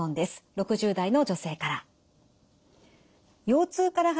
６０代の女性から。